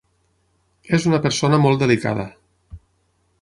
És una persona molt delicada.